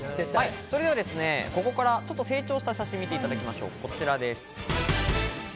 それではここから成長した写真を見ていただきましょう。